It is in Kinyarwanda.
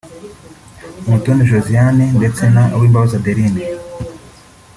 Umutoni Josiane ndetse na Uwimbabazi Adeline